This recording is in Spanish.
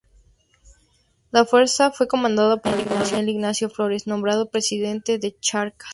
La fuerza fue comandada por el coronel Ignacio Flores, nombrado presidente de Charcas.